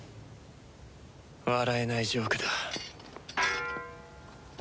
笑えないジョークだ。